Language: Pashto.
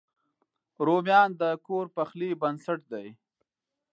رومیان د کور پخلي بنسټ دی